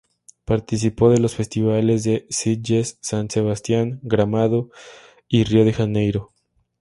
Participó de los festivales de Sitges, San Sebastián, Gramado y Río de Janeiro.